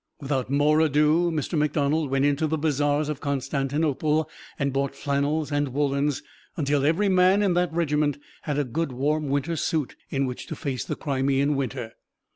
Without more ado Mr. McDonald went into the bazaars of Constantinople and bought flannels and woolens, until every man in that regiment had a good warm winter suit in which to face the Crimean winter.